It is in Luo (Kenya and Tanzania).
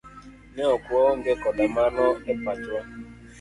Ne ok waonge koda mano e pachwa.